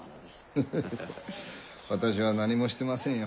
フフフ私は何もしてませんよ。